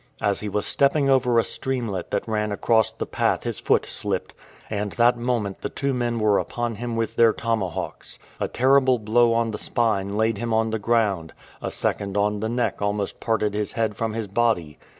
As he was stepping over a streamlet that ran across the path his foot slipped, and that moment the two men were upon him with their tomahawks. A terrible blow on the spine laid him on the ground ; a second on the neck almost parted his head from his body.